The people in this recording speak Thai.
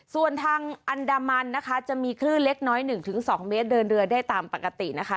ส่วนทางอันดามันนะคะจะมีคลื่นเล็กน้อย๑๒เมตรเดินเรือได้ตามปกตินะคะ